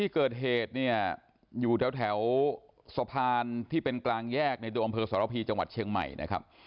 เกิดเหตุเนี่ยอยู่แถวสะพานที่เป็นกลางแยกในตัวอำเภอสรพีจังหวัดเชียงใหม่นะครับ